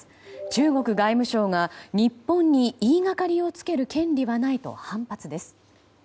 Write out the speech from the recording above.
中国外務省が日本に言いがかりをつける権利はないと反発です。